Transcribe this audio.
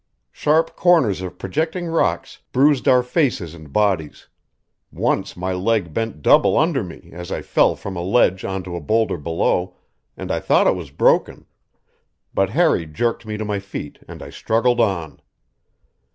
Sharp corners of projecting rocks bruised our faces and bodies; once my leg bent double under me as I fell from a ledge onto a boulder below, and I thought it was broken; but Harry jerked me to my feet and I struggled on.